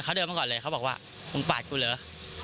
เขาเดินมาก่อนเลยเขาบอกว่ามึงปาดกูเหรอ